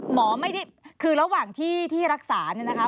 หมอไม่ได้คือระหว่างที่ที่รักษาเนี่ยนะคะ